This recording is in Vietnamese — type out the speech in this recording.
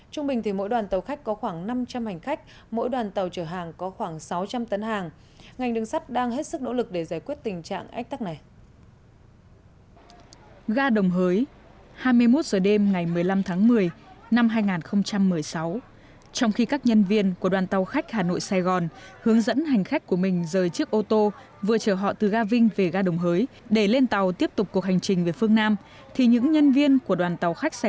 trung bình thì mỗi đoàn tàu khách có khoảng năm trăm linh hành khách mỗi đoàn tàu chờ hàng có khoảng sáu trăm linh tấn hàng ngành đường sắt đang hết sức nỗ lực để giải quyết tình trạng ách tắc này